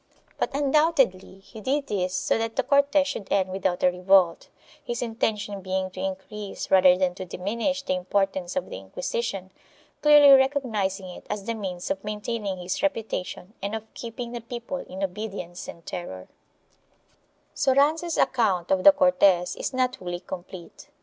But undoubtedly he did this so that the Cortes should end without a revolt, his intention being to increase rather than to diminish the importance of the Inquisition, clearly recognizing it as the means of maintaining his reputation and of keeping the people in obedience and terror/71 Soranzo's account of the Cortes is not wholly complete.